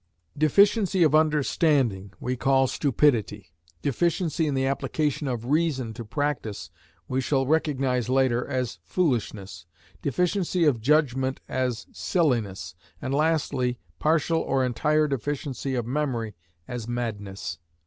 Deficiency of understanding we call stupidity: deficiency in the application of reason to practice we shall recognise later as foolishness: deficiency of judgment as silliness, and lastly, partial or entire deficiency of memory as madness.